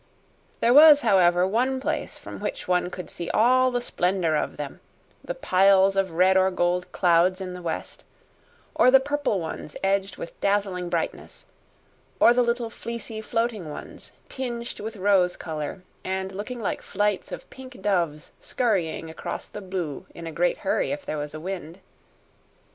There was, however, one place from which one could see all the splendor of them: the piles of red or gold clouds in the west; or the purple ones edged with dazzling brightness; or the little fleecy, floating ones, tinged with rose color and looking like flights of pink doves scurrying across the blue in a great hurry if there was a wind.